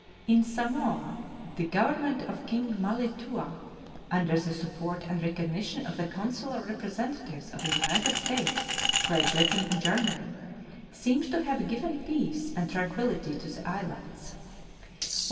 In Samoa the Government of King Malietoa, under the support and recognition of the consular representatives of the United States, Great Britain, and Germany, seems to have given peace and tranquillity to the islands.